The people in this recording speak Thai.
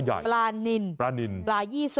อันนี้เป้อเบอร์